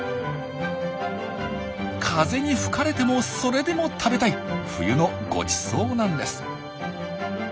風に吹かれてもそれでも食べたい冬のごちそうなんです。